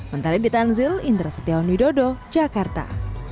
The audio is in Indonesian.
menteri ditanzil interasetion widodo jakarta